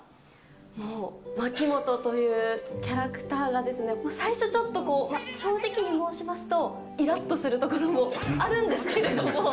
もう、牧本というキャラクターがですね、最初、ちょっとこう、正直に申しますと、いらっとするところもあるんですけれども。